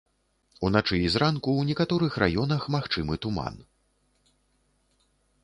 Уначы і зранку ў некаторых раёнах магчымы туман.